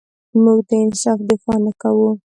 موږ د انصاف دفاع نه کوو.